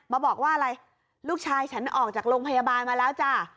มาบอกว่าอะไรลูกชายฉันออกจากโรงพยาบาลมาแล้วจ้ะ